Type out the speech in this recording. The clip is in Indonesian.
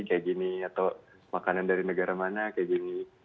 atau makanan dari negara mana kayak gini